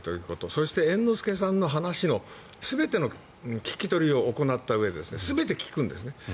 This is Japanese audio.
そして猿之助さんの話の全ての聞き取りを行ったうえで全て聞くんですね。